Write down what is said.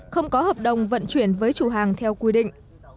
không có hợp đồng vận chuyển với chủ hàng theo quy định